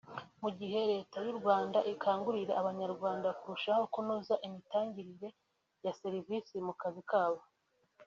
Mu gihe Leta y’u Rwanda ikangurira Abanyarwanda kurushaho kunoza imitangire ya service mu kazi kabo